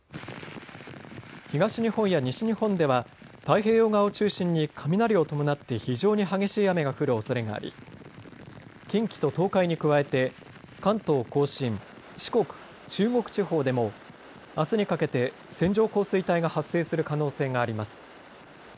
東日本や西日本では太平洋側を中心に雷を伴って非常に激しい雨が降るおそれがあり近畿と東海に加えて関東甲信、四国、中国地方でもあすにかけて線状降水帯が発生する可能性があります。